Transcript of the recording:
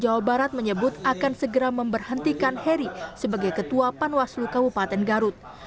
jawa barat menyebut akan segera memberhentikan heri sebagai ketua panwaslu kabupaten garut